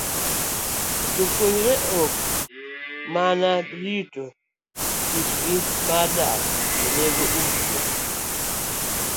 Jopuonjre, ka ok mana rito kitgi mar dak, onego oti